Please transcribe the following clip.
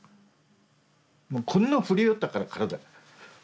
もうこんな震えよったから体が。